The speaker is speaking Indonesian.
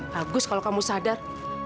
bagus kalau kamu sadar